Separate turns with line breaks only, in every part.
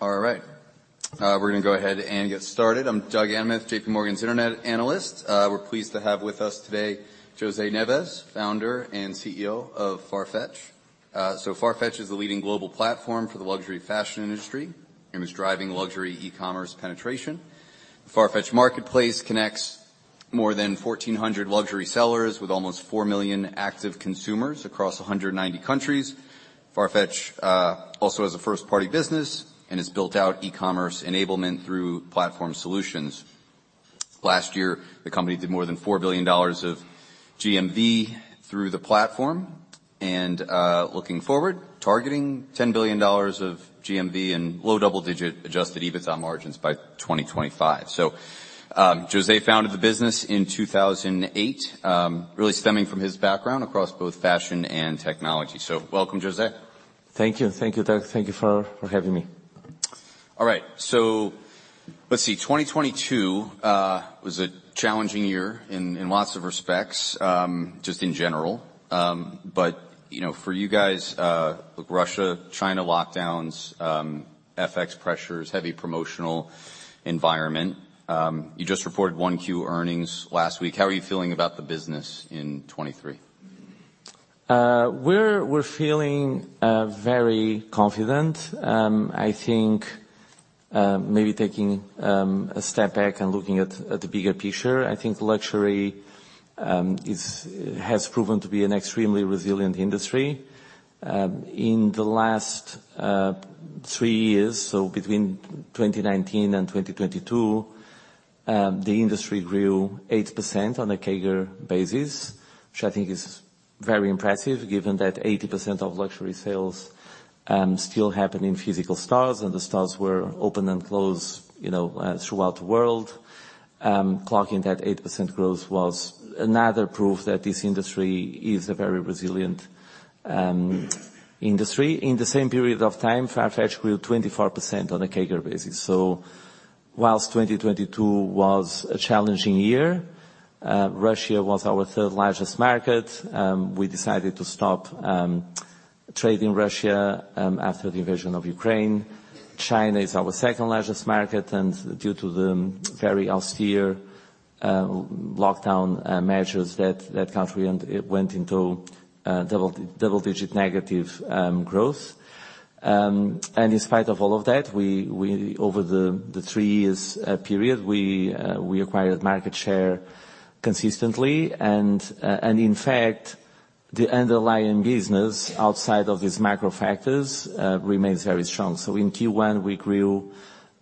We're gonna go ahead and get started. I'm Douglas Anmuth, J.P. Morgan's internet analyst. We're pleased to have with us today José Neves, Founder and CEO of Farfetch. Farfetch is the leading global platform for the luxury fashion industry and is driving luxury e-commerce penetration. Farfetch Marketplace connects more than 1,400 luxury sellers with almost four million active consumers across 190 countries. Farfetch also has a first-party business and has built out e-commerce enablement through Platform Solutions. Last year, the company did more than $4 billion of GMV through the platform and, looking forward, targeting $10 billion of GMV and low double-digit Adjusted EBITDA margins by 2025. José founded the business in 2008, really stemming from his background across both fashion and technology. Welcome, José.
Thank you. Thank you, Doug. Thank you for having me.
All right. Let's see, 2022, was a challenging year in lots of respects, just in general. You know, for you guys, Russia, China lockdowns, FX pressures, heavy promotional environment. You just reported 1Q earnings last week. How are you feeling about the business in 2023?
We're feeling very confident. I think, maybe taking a step back and looking at the bigger picture, I think luxury has proven to be an extremely resilient industry. In the last three years, so between 2019 and 2022, the industry grew 8% on a CAGR basis, which I think is very impressive given that 80% of luxury sales still happen in physical stores, and the stores were open and closed, you know, throughout the world. Clocking that 8% growth was another proof that this industry is a very resilient industry. In the same period of time, Farfetch grew 24% on a CAGR basis. Whilst 2022 was a challenging year, Russia was our third largest market, we decided to stop trade in Russia after the invasion of Ukraine. China is our second largest market, and due to the very austere lockdown measures that that country went into, double-digit negative growth. In spite of all of that, we over the three years period, we acquired market share consistently. In fact, the underlying business outside of these macro factors remains very strong. In Q1, we grew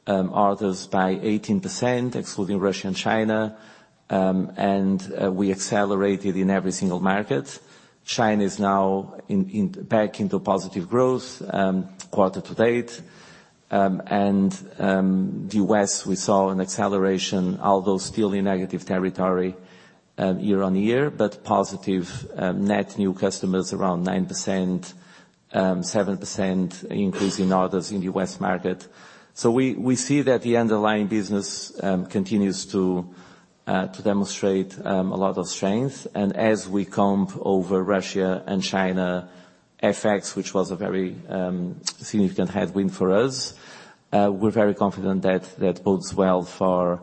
others by 18%, excluding Russia and China, and we accelerated in every single market. China is now back into positive growth quarter to date. The U.S., we saw an acceleration, although still in negative territory, year-on-year, but positive net new customers, around 9%, 7% increase in orders in the U.S. market. We see that the underlying business continues to demonstrate a lot of strength. As we comp over Russia and China, FX, which was a very significant headwind for us, we're very confident that that bodes well for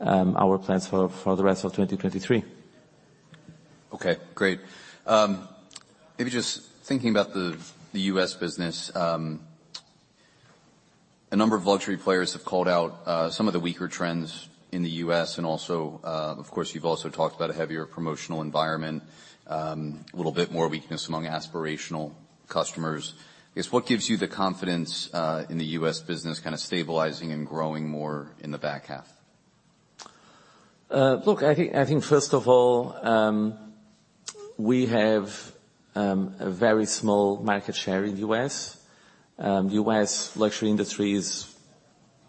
our plans for the rest of 2023.
Okay. Great. Maybe just thinking about the U.S. business. A number of luxury players have called out some of the weaker trends in the U.S. Also, of course, you've also talked about a heavier promotional environment, a little bit more weakness among aspirational customers. I guess what gives you the confidence in the U.S. business kinda stabilizing and growing more in the back half?
Look, I think, I think first of all, we have a very small market share in the U.S. The U.S. luxury industry is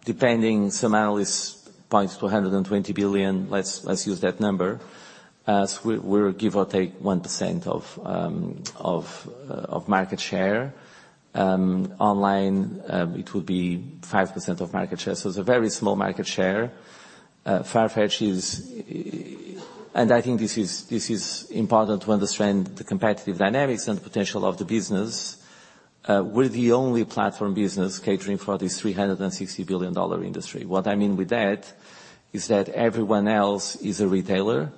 depending, some analysts point to $120 billion. Let's use that number. We're give or take 1% of market share. Online, it would be 5% of market share. It's a very small market share. Farfetch is... I think this is important to understand the competitive dynamics and potential of the business. We're the only platform business catering for this $360 billion industry. What I mean with that is that everyone else is a retailer,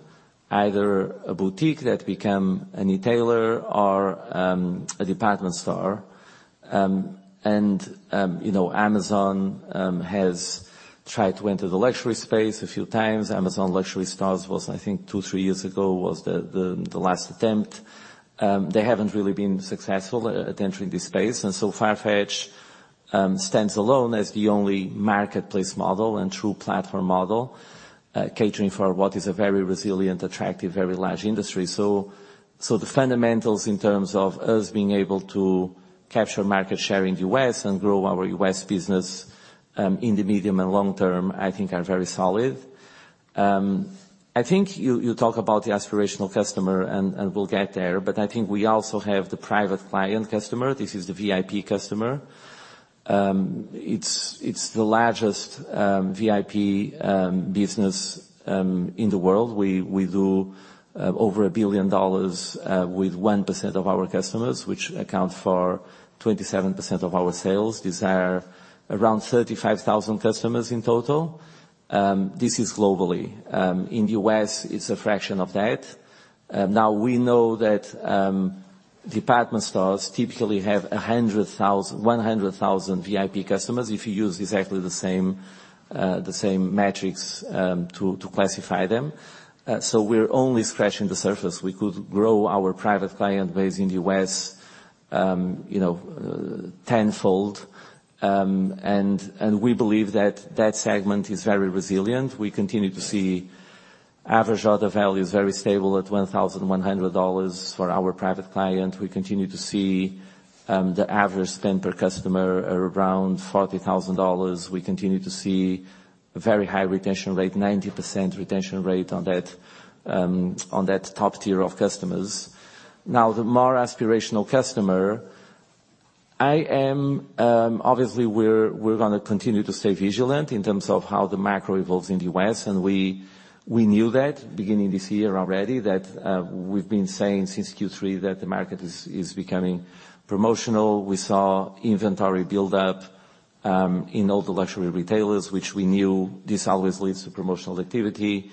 either a boutique that become a retailer or a department store. You know, Amazon has tried to enter the luxury space a few times. Amazon Luxury Stores was, I think, two, three years ago, was the last attempt. They haven't really been successful at entering this space. Farfetch stands alone as the only marketplace model and true platform model catering for what is a very resilient, attractive, very large industry. The fundamentals in terms of us being able to capture market share in the US and grow our US business in the medium and long term, I think are very solid. I think you talk about the aspirational customer, and we'll get there, but I think we also have the Private Client customer. This is the VIP customer. It's the largest VIP business in the world. We do over $1 billion with 1% of our customers, which account for 27% of our sales. These are around 35,000 customers in total. This is globally. In U.S. it's a fraction of that. Now we know that department stores typically have 100,000 VIP customers if you use exactly the same metrics to classify them. We're only scratching the surface. We could grow our Private Client base in the U.S., you know, tenfold. We believe that that segment is very resilient. We continue to see average order values very stable at $1,100 for our Private Client. We continue to see the average spend per customer around $40,000. We continue to see very high retention rate, 90% retention rate on that, on that top tier of customers. The more aspirational customer, obviously we're gonna continue to stay vigilant in terms of how the macro evolves in the U.S., and we knew that beginning this year already, that we've been saying since Q3 that the market is becoming promotional. We saw inventory build up in all the luxury retailers, which we knew this always leads to promotional activity.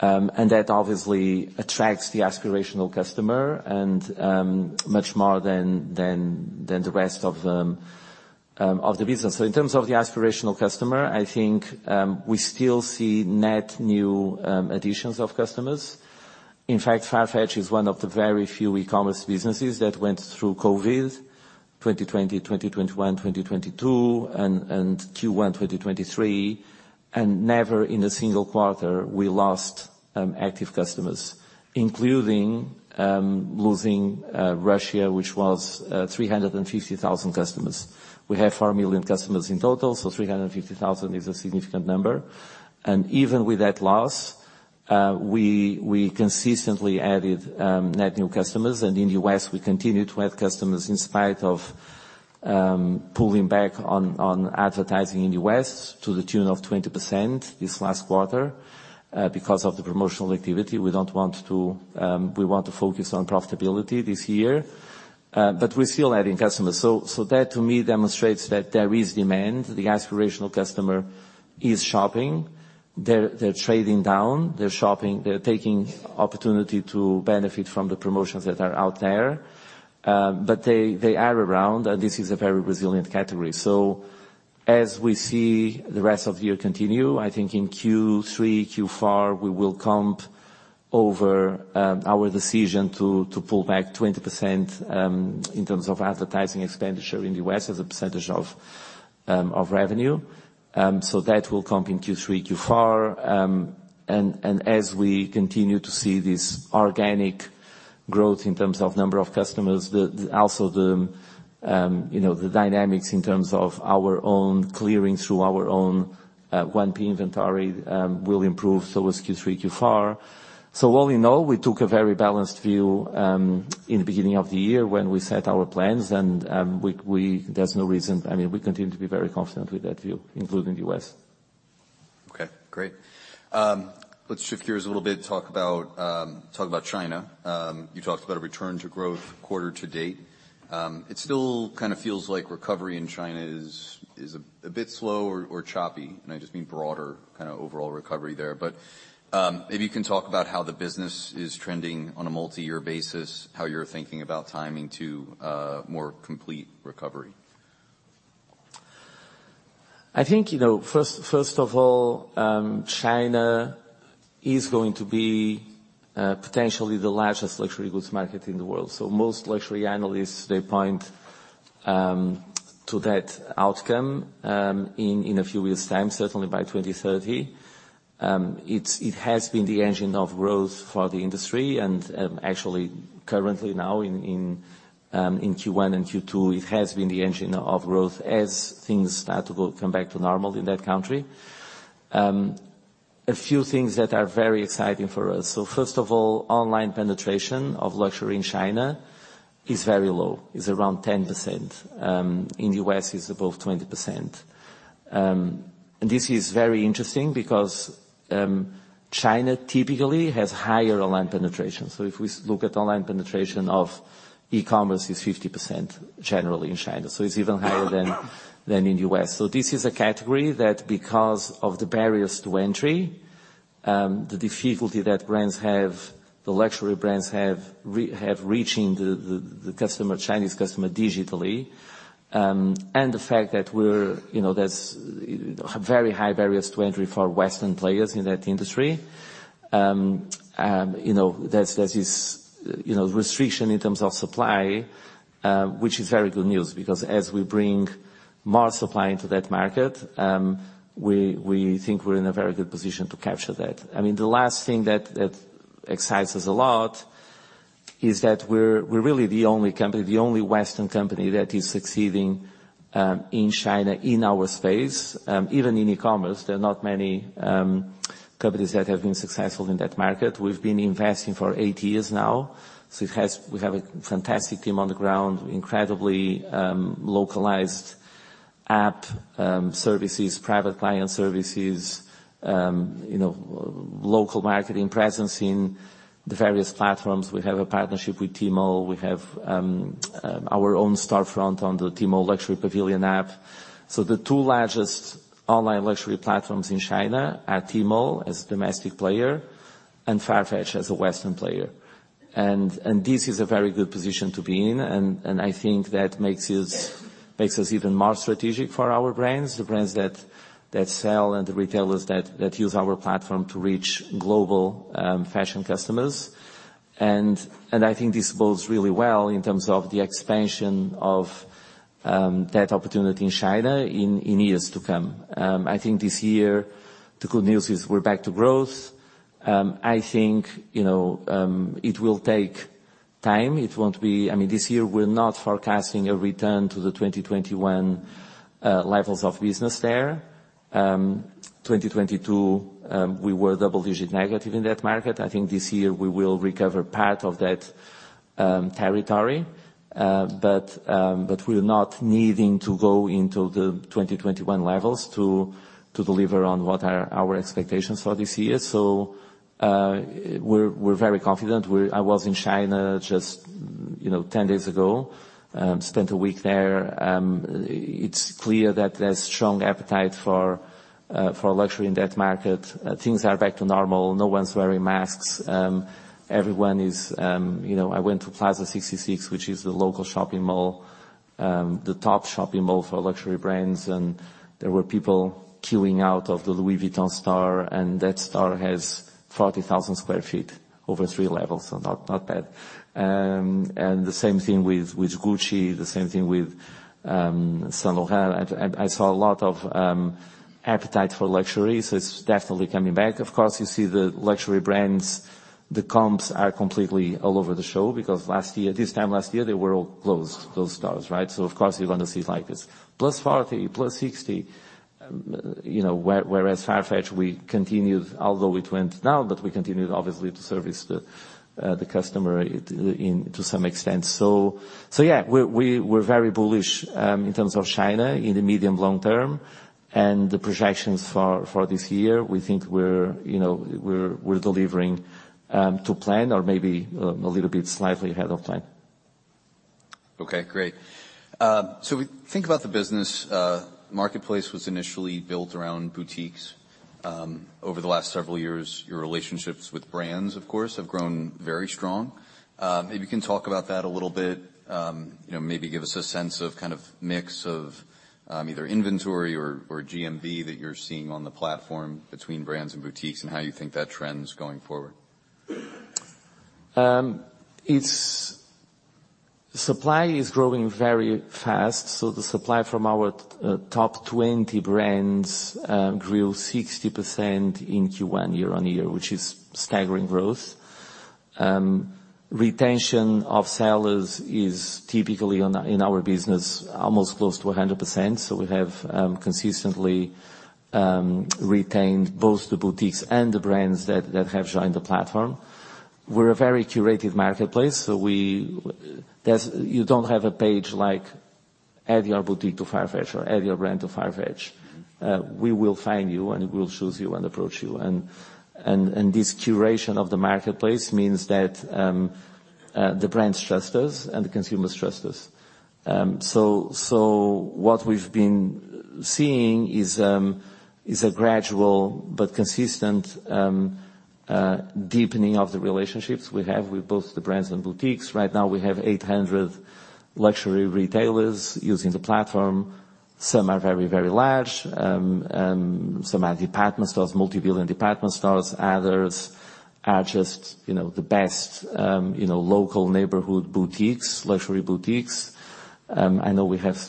That obviously attracts the aspirational customer and much more than the rest of the business. In terms of the aspirational customer, I think, we still see net new additions of customers. Farfetch is one of the very few e-commerce businesses that went through COVID, 2020, 2021, 2022, and Q1 2023, and never in a single quarter we lost active customers, including losing Russia, which was 350,000 customers. We have four million customers in total, 350,000 is a significant number. In the U.S., we continued to add customers in spite of pulling back on advertising in the U.S. to the tune of 20% this last quarter because of the promotional activity. We don't want to focus on profitability this year. We're still adding customers. That to me demonstrates that there is demand. The aspirational customer is shopping. They're trading down. They're shopping, they're taking opportunity to benefit from the promotions that are out there. They are around, and this is a very resilient category. As we see the rest of the year continue, I think in Q3, Q4, we will comp over our decision to pull back 20% in terms of advertising expenditure in the U.S. as a percentage of revenue. That will comp in Q3, Q4. As we continue to see this organic growth in terms of number of customers, the also the, you know, the dynamics in terms of our own clearing through our own 1P inventory will improve, as Q3, Q4. All in all, we took a very balanced view, in the beginning of the year when we set our plans. There's no reason... I mean, we continue to be very confident with that view, including U.S.
Okay, great. Let's shift gears a little bit, talk about, talk about China. You talked about a return to growth quarter to date. It still kind of feels like recovery in China is a bit slow or choppy, and I just mean broader kind of overall recovery there. If you can talk about how the business is trending on a multi-year basis, how you're thinking about timing to a more complete recovery.
I think, you know, first of all, China is going to be potentially the largest luxury goods market in the world. Most luxury analysts, they point to that outcome in a few years' time, certainly by 2030. It has been the engine of growth for the industry. Actually currently now in Q1 and Q2, it has been the engine of growth as things start to come back to normal in that country. A few things that are very exciting for us. First of all, online penetration of luxury in China is very low. It's around 10%. In the U.S., it's above 20%. This is very interesting because China typically has higher online penetration. If we look at online penetration of e-commerce, it's 50% generally in China, it's even higher than in the US. This is a category that because of the barriers to entry, the difficulty that brands have, the luxury brands have reaching the customer, Chinese customer digitally, and the fact that we're, you know, there's very high barriers to entry for Western players in that industry. You know, there's this, you know, restriction in terms of supply, which is very good news because as we bring more supply into that market, we think we're in a very good position to capture that. I mean, the last thing that excites us a lot. Is that we're really the only company, the only Western company that is succeeding in China in our space. Even in e-commerce, there are not many companies that have been successful in that market. We've been investing for eight years now, so we have a fantastic team on the ground, incredibly localized app, services, Private Client services, you know, local marketing presence in the various platforms. We have a partnership with Tmall. We have our own storefront on the Tmall Luxury Pavilion app. The two largest online luxury platforms in China are Tmall as domestic player and Farfetch as a Western player. This is a very good position to be in, and I think that makes us even more strategic for our brands, the brands that sell and the retailers that use our platform to reach global fashion customers. I think this bodes really well in terms of the expansion of that opportunity in China in years to come. I think this year the good news is we're back to growth. I think, you know, it will take time. I mean, this year we're not forecasting a return to the 2021 levels of business there. 2022, we were double-digit negative in that market. I think this year we will recover part of that territory. But we're not needing to go into the 2021 levels to deliver on what are our expectations for this year. We're very confident. I was in China just, you know, 10 days ago, spent a week there. It's clear that there's strong appetite for luxury in that market. Things are back to normal. No one's wearing masks. Everyone is, you know, I went to Plaza 66, which is the local shopping mall, the top shopping mall for luxury brands, and there were people queuing out of the Louis Vuitton store, and that store has 40,000 sq ft over three levels, so not bad. And the same thing with Gucci, the same thing with Saint Laurent. I saw a lot of appetite for luxury, so it's definitely coming back. Of course, you see the luxury brands, the comps are completely all over the show because last year, this time last year, they were all closed, those stores, right? Of course, you're gonna see likeness. Plus 40%, plus 60%, you know, whereas Farfetch, we continued, although it went down, but we continued obviously to service the customer in, to some extent. So yeah, we're very bullish in terms of China in the medium long term. The projections for this year, we think we're, you know, delivering to plan or maybe a little bit slightly ahead of plan.
Okay, great. We think about the business, marketplace was initially built around boutiques. Over the last several years, your relationships with brands, of course, have grown very strong. Maybe you can talk about that a little bit. You know, maybe give us a sense of kind of mix of, either inventory or GMV that you're seeing on the platform between brands and boutiques and how you think that trend's going forward.
Supply is growing very fast, so the supply from our top 20 brands grew 60% in Q1 year-on-year, which is staggering growth. Retention of sellers is typically in our business, almost close to 100%. We have consistently retained both the boutiques and the brands that have joined the platform. We're a very curated marketplace, you don't have a page like, add your boutique to Farfetch or add your brand to Farfetch. We will find you, we will choose you and approach you. This curation of the marketplace means that the brands trust us and the consumers trust us. What we've been seeing is a gradual but consistent deepening of the relationships we have with both the brands and boutiques. Right now we have 800 luxury retailers using the platform. Some are very, very large. Some are department stores, multi-billion department stores. Others are just, you know, the best, you know, local neighborhood boutiques, luxury boutiques. I know we have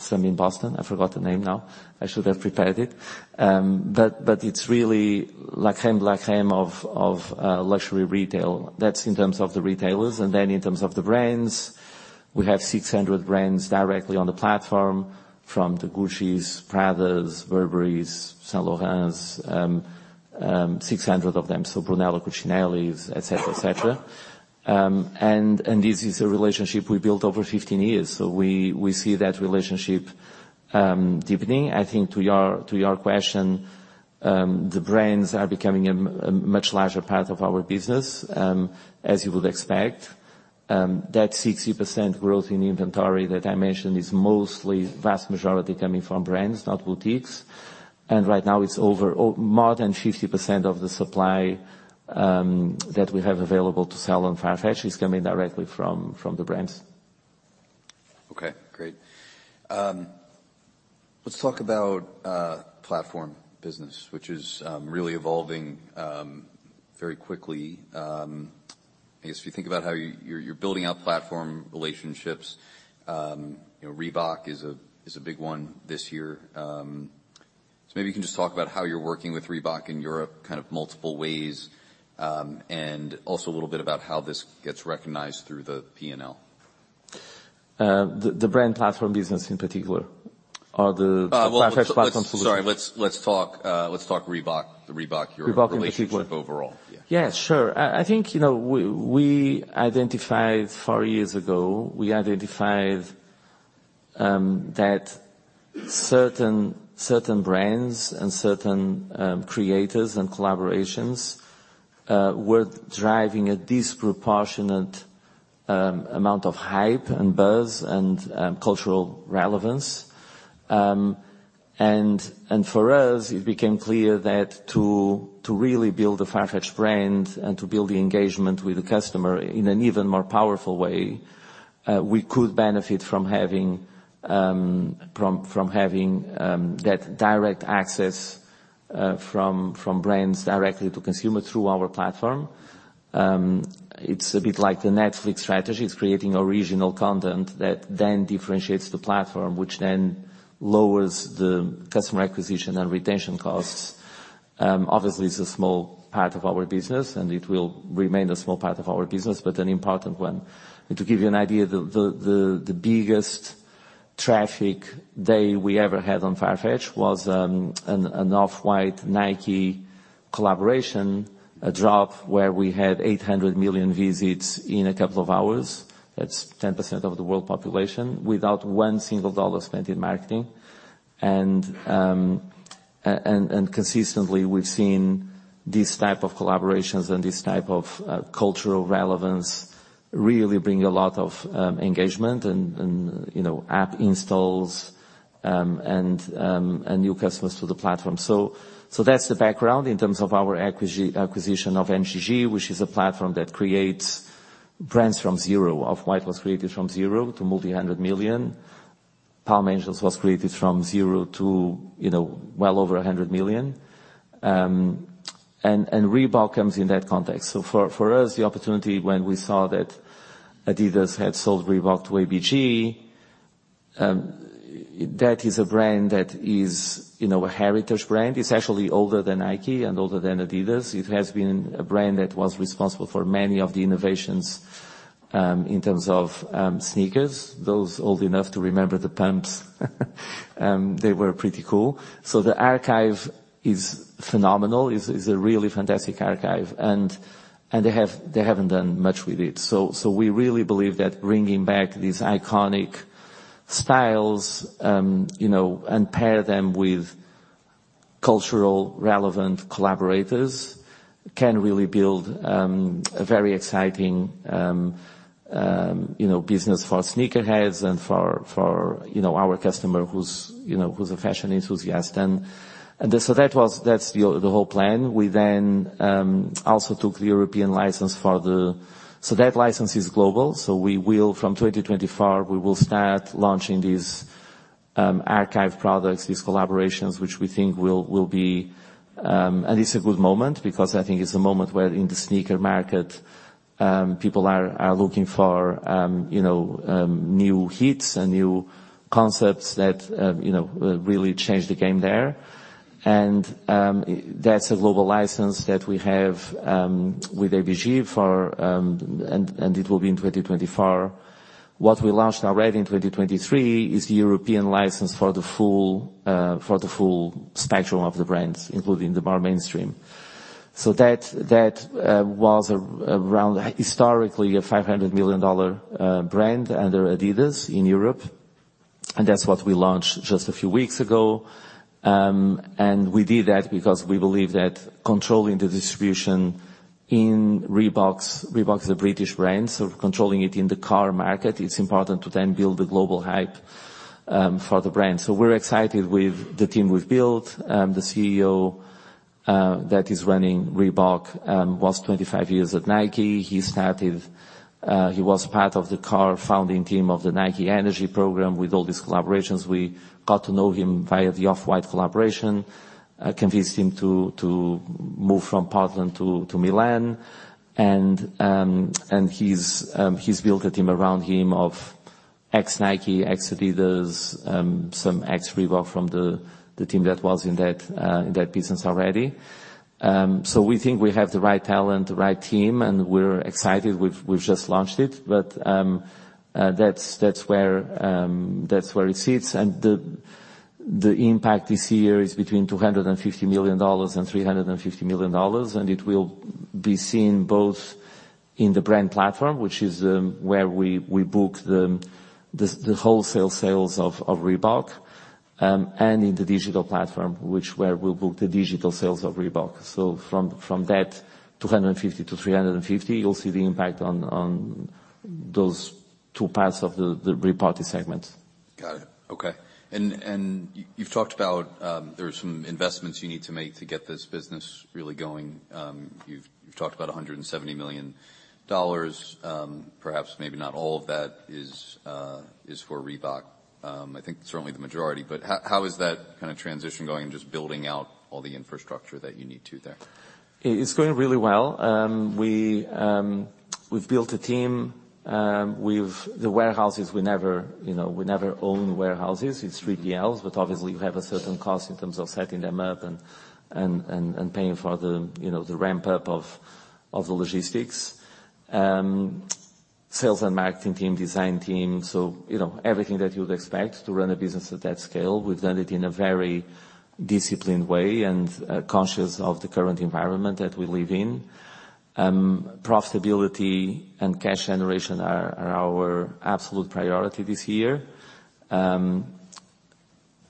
some in Boston. I forgot the name now. I should have prepared it. It's really crème de la crème of luxury retail. That's in terms of the retailers. In terms of the brands, we have 600 brands directly on the platform, from the Guccis, Pradas, Burberrys, Saint Laurents, 600 of them, so Brunello Cucinellis, et cetera, et cetera. This is a relationship we built over 15 years, so we see that relationship, deepening. I think to your question, the brands are becoming a much larger part of our business, as you would expect. That 60% growth in inventory that I mentioned is mostly vast majority coming from brands, not boutiques. Right now it's over more than 50% of the supply, that we have available to sell on Farfetch is coming directly from the brands.
Okay, great. Let's talk about platform business, which is really evolving very quickly. I guess if you think about how you're building out platform relationships, you know Reebok is a big one this year. Maybe you can just talk about how you're working with Reebok in Europe, kind of multiple ways, and also a little bit about how this gets recognized through the P&L.
The brand platform business in particular.
well, let's-
Farfetch Platform Solutions.
Sorry. Let's talk Reebok.
Reebok in particular....
relationship overall. Yeah.
Yeah, sure. I think, you know, we identified four years ago, we identified that certain brands and certain creators and collaborations were driving a disproportionate amount of hype and buzz and cultural relevance. For us, it became clear that to really build a Farfetch brand and to build the engagement with the customer in an even more powerful way, we could benefit from having that direct access from brands directly to consumer through our platform. It's a bit like the Netflix strategy. It's creating original content that then differentiates the platform, which then lowers the customer acquisition and retention costs. Obviously, it's a small part of our business, and it will remain a small part of our business, but an important one. To give you an idea, the biggest traffic day we ever had on Farfetch was an Off-White Nike collaboration, a drop where we had 800 million visits in a couple of hours. That's 10% of the world population, without $1 spent in marketing. Consistently, we've seen these type of collaborations and this type of cultural relevance really bring a lot of engagement and, you know, app installs and new customers to the platform. That's the background in terms of our acquisition of MGG, which is a platform that creates brands from zero. Off-White was created from zero to multi-hundred million. Palm Angels was created from zero to, you know, well over 100 million. Reebok comes in that context. For us, the opportunity when we saw that Adidas had sold Reebok to ABG, that is a brand that is, you know, a heritage brand. It's actually older than Nike and older than Adidas. It has been a brand that was responsible for many of the innovations, in terms of sneakers. Those old enough to remember the pumps, they were pretty cool. The archive is phenomenal. It's a really fantastic archive, and they haven't done much with it. We really believe that bringing back these iconic styles, you know, and pair them with cultural relevant collaborators, can really build a very exciting, you know, business for sneakerheads and for, you know, our customer who's a fashion enthusiast. That's the whole plan. We also took the European license for the... That license is global, so we will, from 2024, we will start launching these archive products, these collaborations, which we think will be... It's a good moment because I think it's a moment where in the sneaker market, people are looking for, you know, new hits and new concepts that, you know, really change the game there. That's a global license that we have with ABG for... It will be in 2024. What we launched already in 2023 is the European license for the full, for the full spectrum of the brands, including the more mainstream. That was historically a $500 million brand under Adidas in Europe, and that's what we launched just a few weeks ago. We did that because we believe that controlling the distribution in Reebok, the British brand, so controlling it in the core market, it's important to then build the global hype for the brand. We're excited with the team we've built. The CEO that is running Reebok was 25 years at Nike. He started. He was part of the core founding team of the Nike Energy Program. With all these collaborations, we got to know him via the Off-White collaboration, convinced him to move from Portland to Milan. He's built a team around him of ex-Nike, ex-Adidas, some ex-Reebok from the team that was in that business already. We think we have the right talent, the right team, and we're excited. We've just launched it. That's where it sits. The impact this year is between $250 million and $350 million, and it will be seen both in the brand platform, which is where we book the wholesale sales of Reebok, and in the digital platform, which where we'll book the digital sales of Reebok. From that $250 to $350, you'll see the impact on those two parts of the reportage segment.
Got it. Okay. You've talked about there are some investments you need to make to get this business really going. You've talked about $170 million, perhaps maybe not all of that is for Reebok. I think certainly the majority, but how is that kind of transition going and just building out all the infrastructure that you need to there?
It's going really well. We've built a team with the warehouses. We never, you know, own warehouses, it's three PLs, but obviously you have a certain cost in terms of setting them up and paying for the, you know, the ramp-up of the logistics. Sales and marketing team, design team. You know, everything that you would expect to run a business at that scale. We've done it in a very disciplined way and conscious of the current environment that we live in. Profitability and cash generation are our absolute priority this year.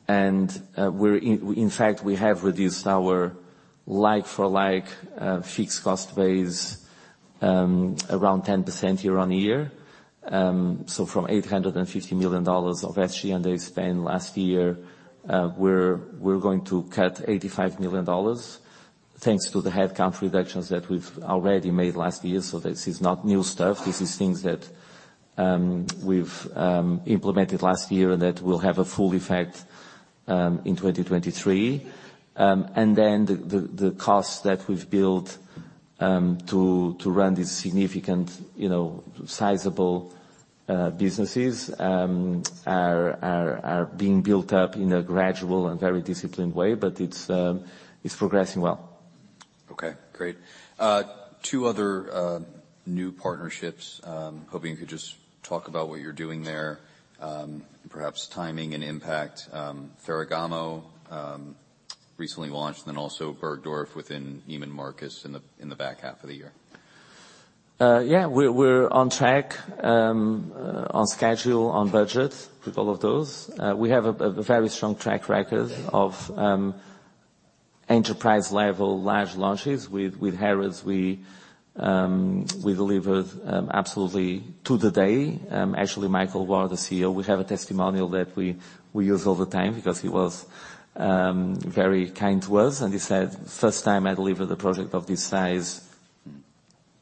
In fact, we have reduced our like-for-like fixed cost base around 10% year-on-year. From $850 million of SG&A spend last year, we're going to cut $85 million thanks to the headcount reductions that we've already made last year. This is not new stuff. This is things that, we've implemented last year and that will have a full effect, in 2023. The costs that we've built, to run these significant, you know, sizable, businesses, are being built up in a gradual and very disciplined way, it's progressing well.
Okay, great. two other, new partnerships, hoping you could just talk about what you're doing there, perhaps timing and impact. Ferragamo recently launched, and then also Bergdorf within Neiman Marcus in the back half of the year.
Yeah, we're on track, on schedule, on budget with all of those. We have a very strong track record of enterprise level large launches. With, with Harrods we delivered absolutely to the day. Actually, Michael Ward, the CEO, we have a testimonial that we use all the time because he was very kind to us, and he said, "First time I delivered a project of this size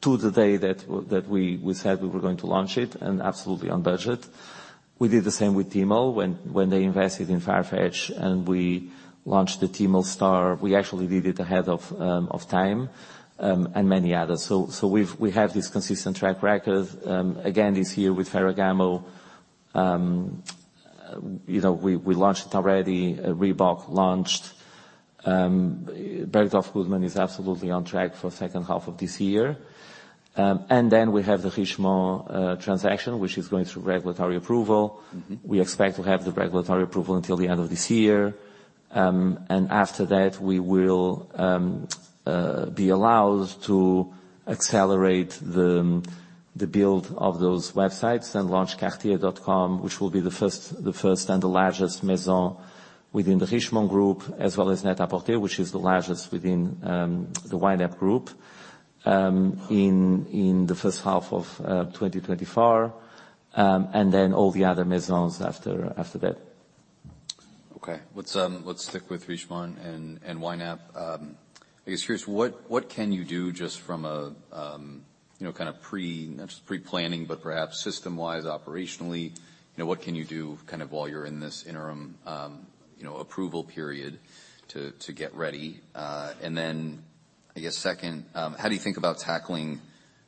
to the day that we said we were going to launch it and absolutely on budget." We did the same with Tmall. When, when they invested in Farfetch, and we launched the Tmall Star. We actually did it ahead of time, and many others. We've, we have this consistent track record. Again, this year with Ferragamo, you know, we launched already. Reebok launched. Bergdorf Goodman is absolutely on track for second half of this year. We have the Richemont transaction, which is going through regulatory approval.
Mm-hmm.
We expect to have the regulatory approval until the end of this year. After that, we will be allowed to accelerate the build of those websites and launch cartier.com, which will be the first and the largest maison within the Richemont group, as well as Net-a-Porter, which is the largest within the YNAP group, in the first half of 2024, then all the other maisons after that.
Okay. Let's stick with Richemont and YNAP. I guess curious, what can you do just from a, you know, kind of not just pre-planning, but perhaps system-wise, operationally, you know, what can you do kind of while you're in this interim, you know, approval period to get ready? Then I guess second, how do you think about tackling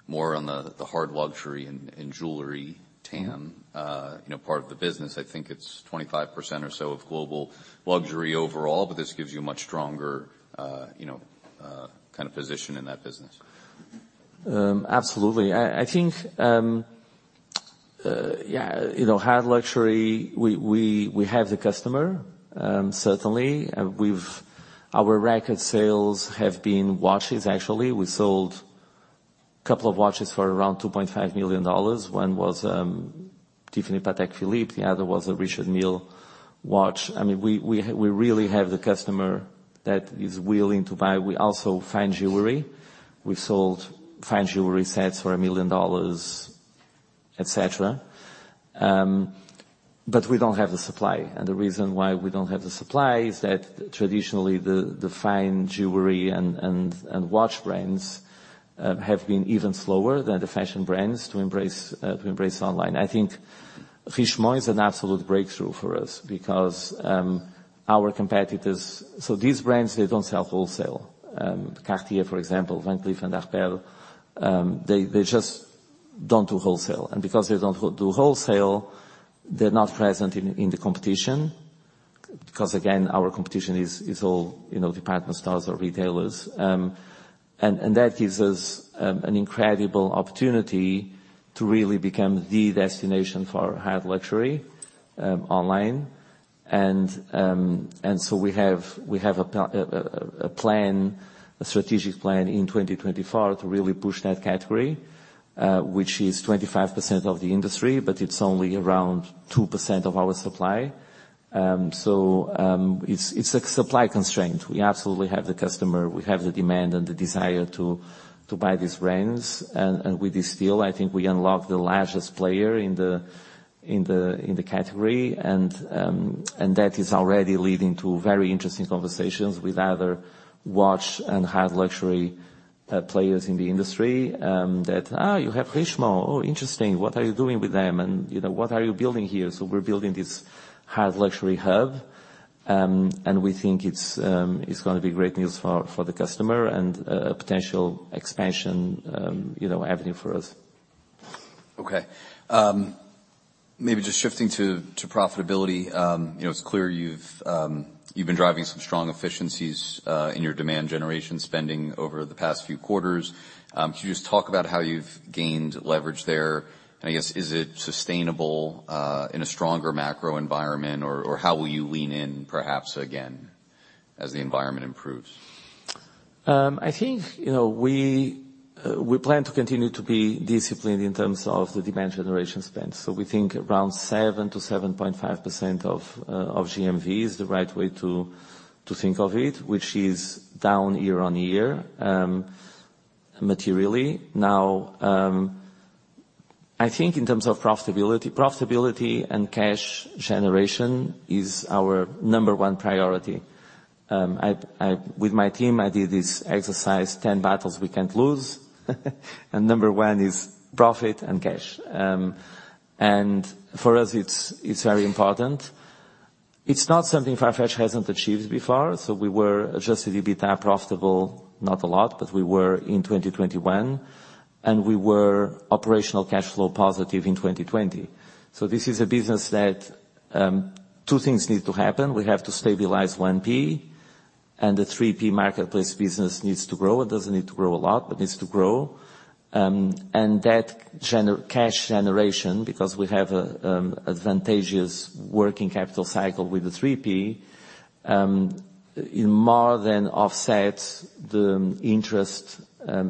more on the hard luxury and jewelry TAM, you know, part of the business? I think it's 25% or so of global luxury overall, but this gives you a much stronger, you know, kind of position in that business.
Absolutely. I think, yeah, you know, hard luxury, we have the customer, certainly. Our record sales have been watches, actually. We sold couple of watches for around $2.5 million. One was Tiffany Patek Philippe, the other was a Richard Mille watch. I mean, we really have the customer that is willing to buy. We also, fine jewelry. We've sold fine jewelry sets for $1 million, et cetera. We don't have the supply. The reason why we don't have the supply is that traditionally the fine jewelry and watch brands have been even slower than the fashion brands to embrace online. I think Richemont is an absolute breakthrough for us because our competitors. These brands, they don't sell wholesale. Cartier, for example, Van Cleef & Arpels, they just don't do wholesale. Because they don't do wholesale, they're not present in the competition, 'cause again, our competition is all, you know, department stores or retailers. That gives us an incredible opportunity to really become the destination for hard luxury online. So we have a plan, a strategic plan in 2024 to really push that category, which is 25% of the industry, but it's only around 2% of our supply. So, it's a supply constraint. We absolutely have the customer, we have the demand and the desire to buy these brands. With this deal, I think we unlock the largest player in the category. That is already leading to very interesting conversations with other watch and hard luxury players in the industry that, "You have Richemont. Oh, interesting. What are you doing with them?" You know, "What are you building here?" We're building this hard luxury hub. We think it's gonna be great news for the customer and a potential expansion, you know, avenue for us.
Okay. Maybe just shifting to profitability. You know, it's clear you've been driving some strong efficiencies in your demand generation spending over the past few quarters. Could you just talk about how you've gained leverage there? I guess, is it sustainable in a stronger macro environment or how will you lean in perhaps again as the environment improves?
I think, you know, we plan to continue to be disciplined in terms of the demand generation spend. We think around 7-7.5% of GMV is the right way to think of it, which is down year-on-year materially. Now, I think in terms of profitability and cash generation is our number one priority. With my team, I did this exercise, 10 battles we can't lose. Number one is profit and cash. For us it's very important. It's not something Farfetch hasn't achieved before. We were adjusted EBITA profitable, not a lot, but we were in 2021, and we were operational cash flow positive in 2020. This is a business that two things need to happen. We have to stabilize 1P, the 3P marketplace business needs to grow. It doesn't need to grow a lot, but needs to grow. That cash generation, because we have a advantageous working capital cycle with the 3P, it more than offsets the interest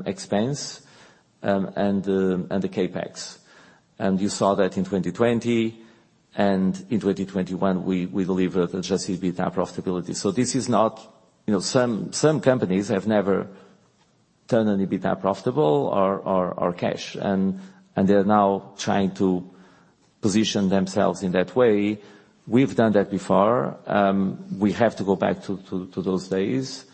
expense and the CapEx. You saw that in 2020 and in 2021, we delivered adjusted EBITA profitability. This is not. You know, some companies have never turned an EBITA profitable or cash, and they're now trying to position themselves in that way. We've done that before. We have to go back to those days.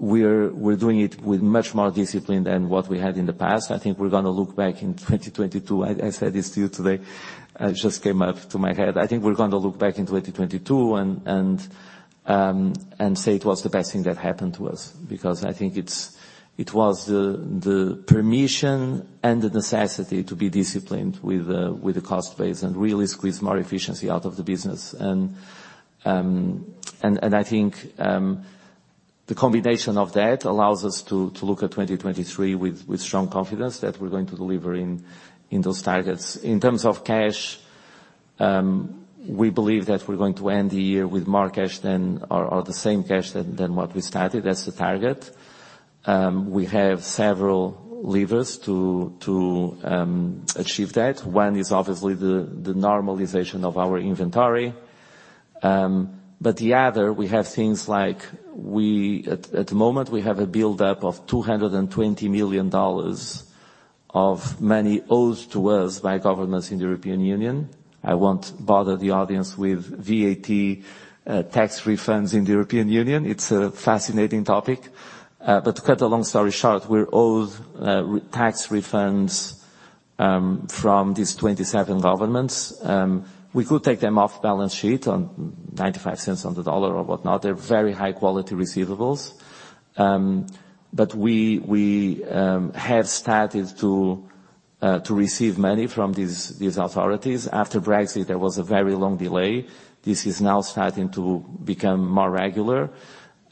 We're doing it with much more discipline than what we had in the past. I think we're gonna look back in 2022. I said this to you today, just came up to my head. I think we're gonna look back in 2022 and say it was the best thing that happened to us, because I think it was the permission and the necessity to be disciplined with the cost base and really squeeze more efficiency out of the business. I think the combination of that allows us to look at 2023 with strong confidence that we're going to deliver in those targets. In terms of cash, we believe that we're going to end the year with more cash than or the same cash than what we started. That's the target. We have several levers to achieve that. One is obviously the normalization of our inventory. The other, we have things like we at the moment, we have a buildup of $220 million of money owed to us by governments in the European Union. I won't bother the audience with VAT tax refunds in the European Union. It's a fascinating topic. To cut a long story short, we're owed tax refunds from these 27 governments. We could take them off balance sheet on $0.95 on the dollar or whatnot. They're very high quality receivables. We have started to receive money from these authorities. After Brexit, there was a very long delay. This is now starting to become more regular.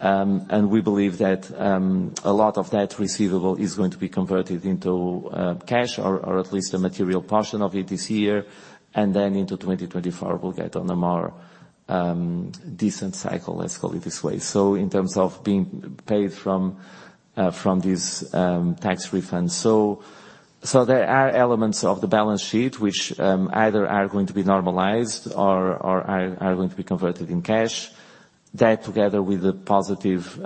We believe that a lot of that receivable is going to be converted into cash or at least a material portion of it this year. Into 2024, we'll get on a more decent cycle, let's call it this way. In terms of being paid from these tax refunds. There are elements of the balance sheet which either are going to be normalized or are going to be converted in cash. That together with the positive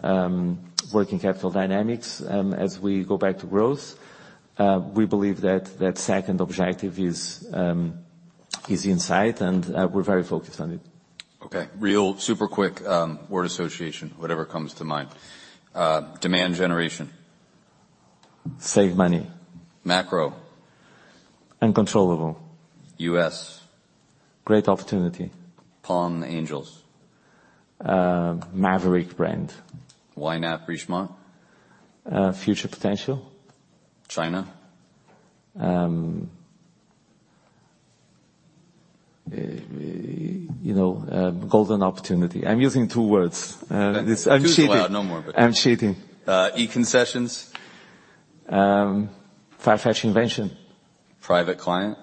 working capital dynamics, as we go back to growth, we believe that that second objective is in sight and we're very focused on it.
Okay. Real super quick, word association, whatever comes to mind. demand generation.
Save money.
Macro.
Uncontrollable.
US.
Great opportunity.
Palm Angels.
Maverick brand.
YNAP, Richemont.
future potential.
China.
You know, golden opportunity. I'm using two words.
That's second's allowed no more.
I'm cheating. I'm cheating.
E-concessions.
Farfetch invention.
Private Client.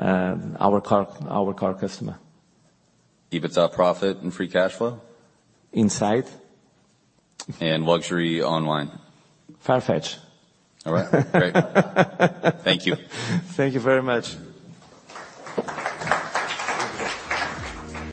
Our core customer.
EBITDA profit and free cash flow.
Insight.
Luxury online.
Farfetch.
All right. Great. Thank you.
Thank you very much.